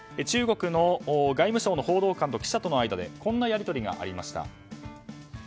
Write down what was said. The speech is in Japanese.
中国の外務省の報道官と記者との間でこんなやり取りがありました。